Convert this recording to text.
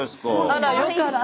あらよかった。